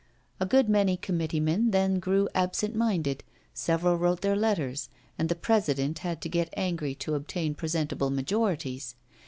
A good many committee men then grew absent minded, several wrote their letters, and the president had to get angry to obtain presentable majorities.